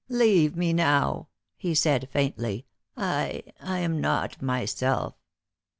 "Leave me now," he said faintly; "I I am not myself."